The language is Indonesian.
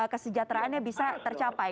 kesejahteraannya bisa tercapai